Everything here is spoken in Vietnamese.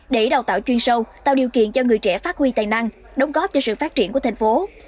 để đào tạo chuyên sâu tạo điều kiện cho người trẻ phát huy tài năng đóng góp cho sự phát triển của thành phố